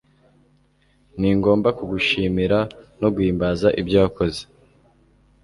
Ningomba kugushimira no guhimbaza ibyo wakoze